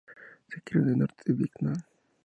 Se crio en el norte de Vietnam.